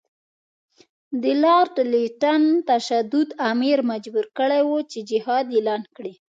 د لارډ لیټن تشدد امیر مجبور کړی وو چې جهاد اعلان کړي.